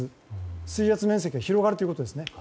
水圧面積が広がるということですね。